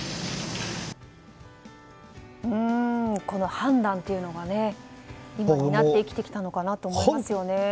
この判断というのが今になって生きてきたのかなと思いますよね。